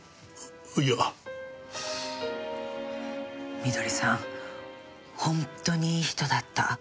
美登里さん本当にいい人だった。